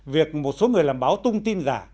việc một số người làm báo tung tin giả